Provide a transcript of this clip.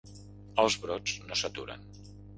Els brots no s’aturen.